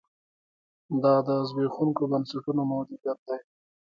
دا د زبېښونکو بنسټونو موجودیت دی.